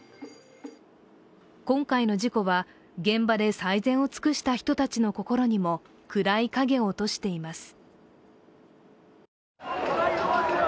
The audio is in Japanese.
今回の事故は、現場で最善を尽くした人たちの心にも暗い影を落としています。